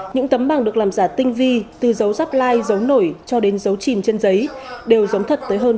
những tấm bằng được làm giả tinh vi từ dấu rắp lai dấu nổi cho đến dấu chìm trên giấy đều giống thật tới hơn chín mươi